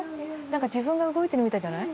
なんか自分が動いてるみたいじゃない？